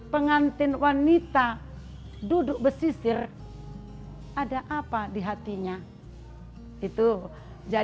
pengantin wanita duduk pesisir ada apa di hatinya